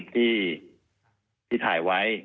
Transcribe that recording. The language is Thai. ที่ถ่ายไว้